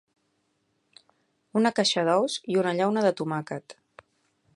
Una caixa d'ous i una llauna de tomàquet.